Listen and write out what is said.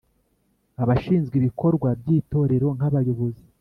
abashinzwe ibikorwa by Itorero nk abayobozi